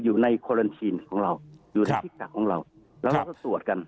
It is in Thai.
อยู่ในคอลันทีนของเราอยู่ในพิกัดของเราแล้วเราก็สวดกัน